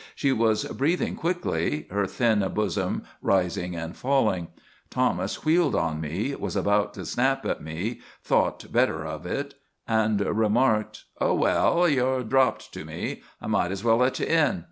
She was breathing quickly, her thin bosom rising and falling. Thomas wheeled on me, was about to snap at me, thought better of it, and remarked: "Oh, well, you're dropped to me. I might as well let you in."